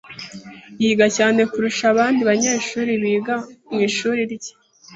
Yiga cyane kurusha abandi banyeshuri biga mu ishuri rye.